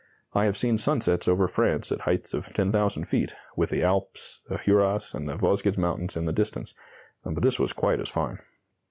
I have seen sunsets over France at heights of 10,000 feet, with the Alps, the Juras, and the Vosges Mountains in the distance; but this was quite as fine.